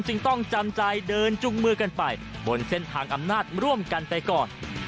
จึงต้องจำใจเดินจุงมือกันไปบนเส้นทางอำนาจร่วมกันไปก่อน